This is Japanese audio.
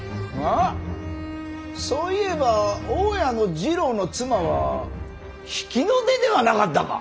あっそういえば大谷次郎の妻は比企の出ではなかったか。